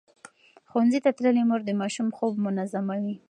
ښوونځې تللې مور د ماشوم خوب منظموي.